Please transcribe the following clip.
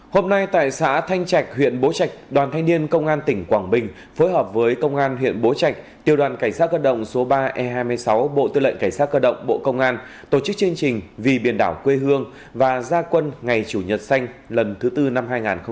hôm nay tại xã thanh trạch huyện bố trạch đoàn thanh niên công an tỉnh quảng bình phối hợp với công an huyện bố trạch tiêu đoàn cảnh sát cơ động số ba e hai mươi sáu bộ tư lệnh cảnh sát cơ động bộ công an tổ chức chương trình vì biển đảo quê hương và gia quân ngày chủ nhật xanh lần thứ tư năm hai nghìn hai mươi